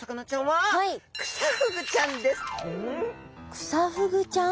クサフグちゃん？